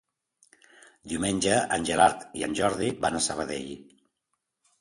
Diumenge en Gerard i en Jordi van a Sabadell.